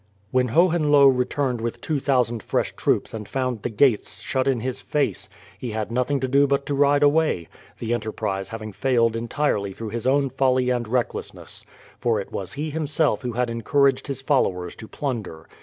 When Hohenlohe returned with 2000 fresh troops and found the gates shut in his face, he had nothing to do but to ride away, the enterprise having failed entirely through his own folly and recklessness; for it was he himself who had encouraged his followers to plunder.